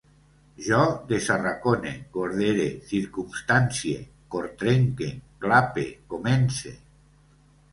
Jo desarracone, cordere, circumstancie, cortrenque, clape, comence